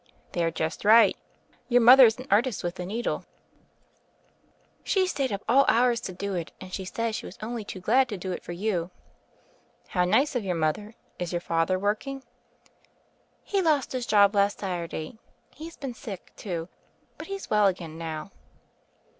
"They are just right. Your mother is an artist with the needle." 48 THE FAIRY OF THE SNOWS *^he stayed up all hours to do it: and she said she was only too glad to do it for you." "How nice or your mother. Is your father working?" He lost his job last Saturday. He's been sick, too; but he's well again now."